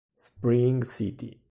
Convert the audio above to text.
Spring City